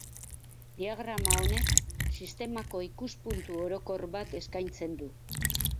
Diagrama honek sistemako ikuspuntu orokor bat eskaintzen du.